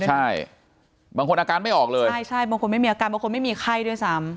ใช่บางคนอาการไม่ออกเลยใช่ใช่บางคนไม่มีอาการบางคนไม่มีไข้ด้วยซ้ำ